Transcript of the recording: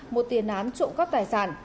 một tiền án trộm các tài sản